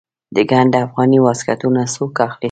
د ګنډ افغاني واسکټونه څوک اخلي؟